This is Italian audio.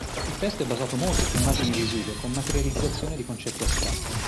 Il testo è basato molto su immagini visive, con materializzazione di concetti astratti.